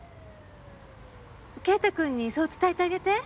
啓太君にそう伝えてあげて。